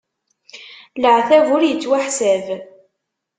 Leɛtab ur ittwaḥsab.